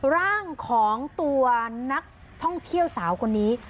ร่างของตัวนักท่องเที่ยวสาวคนนี้